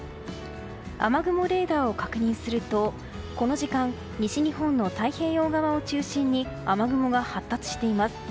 雨雲レーダーを確認するとこの時間西日本の太平洋側を中心に雨雲が発達しています。